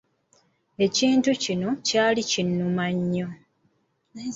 Ekintu kino kyali kinnuma nnyo.